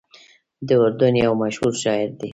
د اردن یو مشهور شاعر دی.